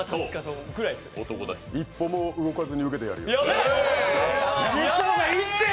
一歩も動かずに受けてやるよ。